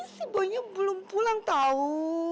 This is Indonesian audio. si boynya belum pulang tau